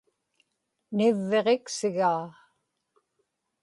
nivviġiksigaa